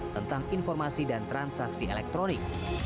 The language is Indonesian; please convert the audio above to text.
tentang informasi dan transaksi elektronik